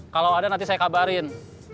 kalau ada nanti saya kabarin